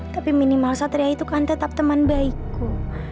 tapi minimal satria itu kan tetap teman baikku